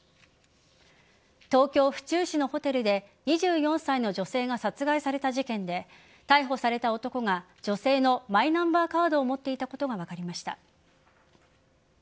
東京・府中市のホテルで２４歳の女性が殺害された事件で逮捕された男が女性のマイナンバーカードを持っていたことが分かりました。